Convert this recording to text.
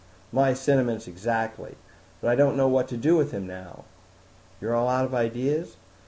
"My sentiments exactly. But I don't know what to do with him now." "You're all out of ideas?"